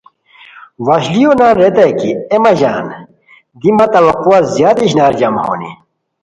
وشلیو نان ریتائے کی اے مہ ژان دی مہ توقعار زیاد اشناری جمع ہونی